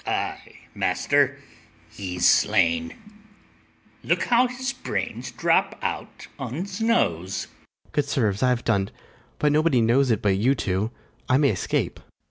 Ay, master, he's slain; look how his brains drop out on's nose. FRIAR JACOMO. Good sirs, I have done't: but nobody knows it but you two; I may escape.